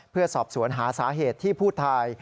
เพื่อสอบสวนหาสาเหตุที่ผู้ตาย